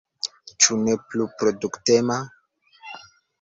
Ĉu ne plu produktema?